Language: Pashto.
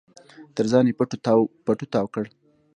تر ځان يې پټو تاو کړی و.